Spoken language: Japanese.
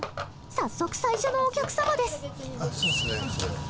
早速最初のお客様です。